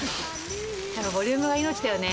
やっぱボリュームが命だよね。